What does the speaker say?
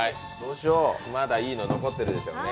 まだ、いいの残ってるでしょうね。